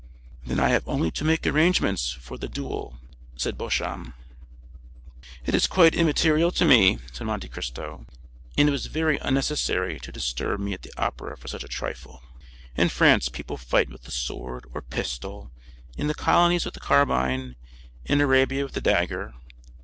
"Then I have only to make arrangements for the duel," said Beauchamp. "It is quite immaterial to me," said Monte Cristo, "and it was very unnecessary to disturb me at the Opera for such a trifle. In France people fight with the sword or pistol, in the colonies with the carbine, in Arabia with the dagger.